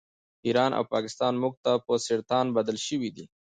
ایران او پاکستان موږ ته په سرطان بدل شوي دي